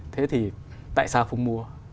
thế thì tại sao không mua